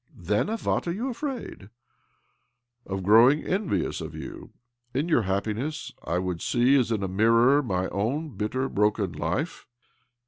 "Then of what are you afraid?" " Of growing envious of you. In your happiness I should see, as in a mirror, my own bitter, broken life.